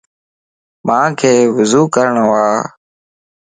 مانک وضو ڪرڻو ا.